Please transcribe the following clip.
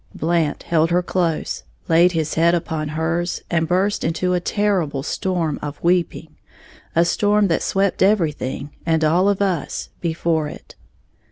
Blant held her close, laid his head upon hers, and burst into a terrible storm of weeping, a storm that swept everything, and all of us, before it.